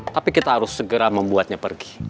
tapi kita harus segera membuatnya pergi